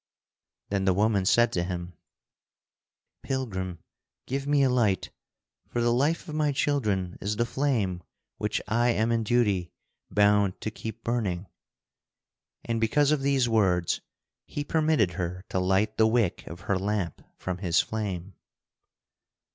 Then the woman said to him: "Pilgrim, give me a light, for the life of my children is the flame which I am in duty bound to keep burning!" And because of these words he permitted her to light the wick of her lamp from his flame.